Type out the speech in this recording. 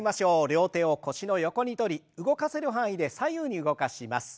両手を腰の横にとり動かせる範囲で左右に動かします。